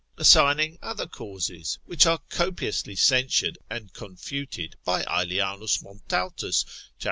assigning other causes, which are copiously censured and confuted by Aelianus Montaltus, cap.